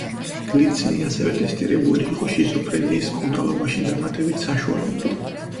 გლიცინი ასევე ტესტირებული იყო შიზოფრენიის მკურნალობაში დამატებით საშუალებად.